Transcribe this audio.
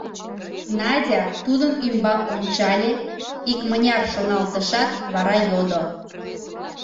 Надя тудын ӱмбак ончале, икмыняр шоналтышат, вара йодо: